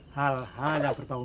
hal hal yang berbau